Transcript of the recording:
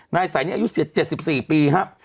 นายสายนี้อายุ๗๔ปีครับ